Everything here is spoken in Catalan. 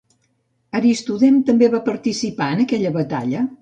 Aristodem també va participar en aquella batalla?